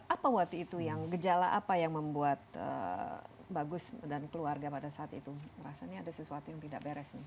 apa waktu itu yang gejala apa yang membuat bagus dan keluarga pada saat itu merasa ini ada sesuatu yang tidak beres